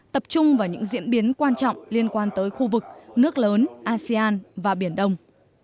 tập trung vào những diễn biến quan trọng liên quan tới khu vực nước lớn asean và biển đông